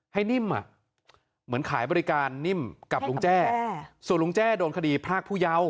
นิ่มเหมือนขายบริการนิ่มกับลุงแจ้ส่วนลุงแจ้โดนคดีพรากผู้เยาว์